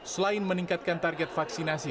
selain meningkatkan target vaksinasi